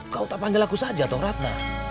kau tak panggil aku saja tuh ratna